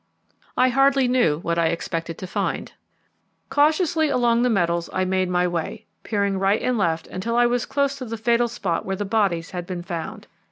I hardly knew what I expected to find. Cautiously along the metals I made my way, peering right and left until I was close to the fatal spot where the bodies had been found.